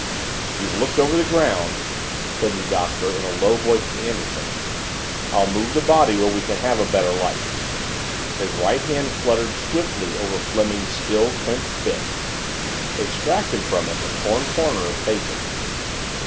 "If you've looked over the ground," said the Doctor in a low voice to Anderson, "I'll move the body where we can have a better light." His right hand fluttered swiftly over Fleming's still, clenched fist extracted from it a torn corner of paper....